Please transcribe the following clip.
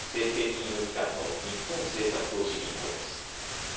金融機関の日本政策投資銀行です。